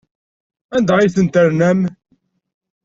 Anda ay tent-ternam?